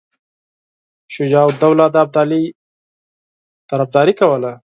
شجاع الدوله د ابدالي طرفداري کوله.